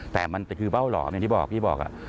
แต่มันคือเบ้าหลอมอย่างที่บอกพี่บอก